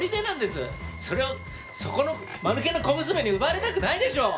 それをそこの間抜けな小娘に奪われたくないでしょう！